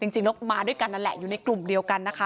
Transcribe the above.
จริงแล้วมาด้วยกันนั่นแหละอยู่ในกลุ่มเดียวกันนะคะ